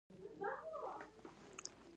د ادبي اوصافو نه علاوه سرنزېب خان